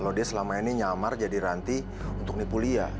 kalau dia selama ini nyamar jadi ranti untuk nih kuliah